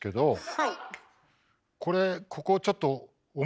はい。